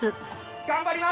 頑張ります。